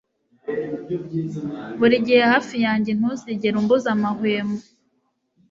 burigihe hafi yanjye ntuzigere umbuza amahwemo